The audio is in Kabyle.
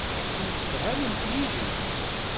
Temsefhamemt yid-i.